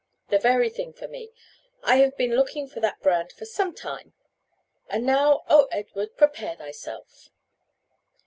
"The very thing for me. I have been looking for that brand for some time. And now, O Edward, prepare thyself!"